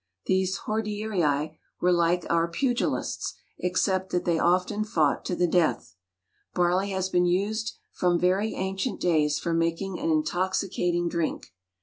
These Hordearii were like our pugilists, except that they often fought to the death. Barley has been used from very ancient days for making an intoxicating drink.